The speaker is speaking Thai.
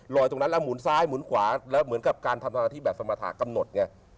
ตรงนั้นแล้วหมุนซ้ายหมุนขวาแล้วเหมือนกับการทำหน้าที่แบบสมรรถากำหนดไง